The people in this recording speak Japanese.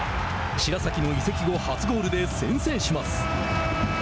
白崎の移籍後初ゴールで先制します。